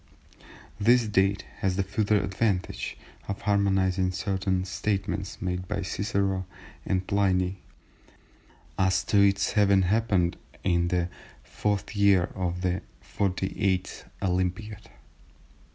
This date has the further advantage of harmonising certain statements made by Cicero and Pliny as to its having happened in the 4th year of the 48th Olympiad.